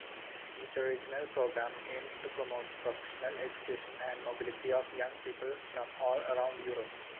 Interregional program aimed to promote professional education and mobility of young people from all around Europe.